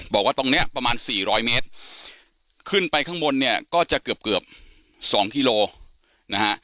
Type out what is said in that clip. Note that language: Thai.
บอกว่าตรงเนี่ยประมาณ๔๐๐เมตรขึ้นไปข้างบนเนี่ยก็จะเกือบ๒คิโลนะฮะ